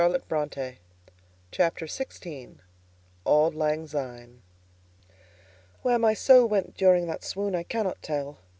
I remember no more. CHAPTER XVI. AULD LANG SYNE. Where my soul went during that swoon I cannot tell.